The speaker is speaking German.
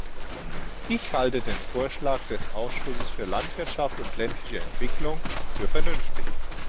Ich halte den Vorschlag des Ausschusses für Landwirtschaft und ländliche Entwicklung für vernünftig.